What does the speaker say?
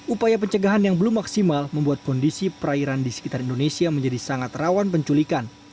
upaya pencegahan yang belum maksimal membuat kondisi perairan di sekitar indonesia menjadi sangat rawan penculikan